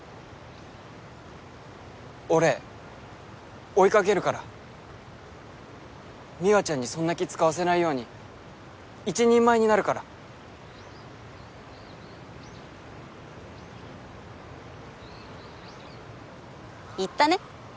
俺追いかけるから美和ちゃんにそんな気遣わせないように一人前になるから言ったね？